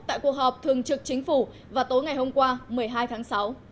tại cuộc họp thường trực chính phủ vào tối ngày hôm qua một mươi hai tháng sáu